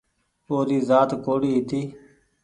او ري زآت ڪوڙي هيتي